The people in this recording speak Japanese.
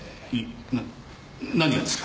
な何がですか？